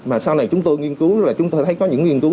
mà sau này chúng tôi nghiên cứu là chúng ta thấy có những nghiên cứu